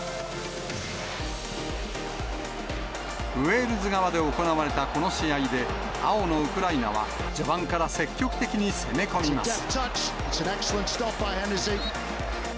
ウェールズ側で行われたこの試合で、青のウクライナは、序盤から積極的に攻め込みます。